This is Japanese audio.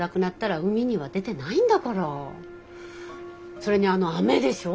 それにあの雨でしょ？